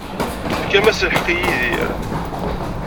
Tefkam-as lḥeqq i Yidir.